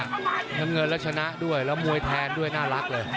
น้ำเงินแล้วชนะด้วยแล้วมวยแทนด้วยน่ารักเลย